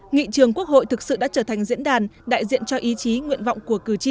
nghị trường quốc hội thực sự đã trở thành diễn đàn đại diện cho ý chí nguyện vọng của cử tri